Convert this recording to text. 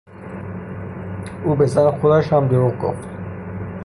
او به زن خودش هم دروغ گفت.